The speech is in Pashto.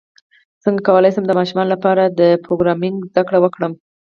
څنګه کولی شم د ماشومانو لپاره د پروګرامینګ زدکړه ورکړم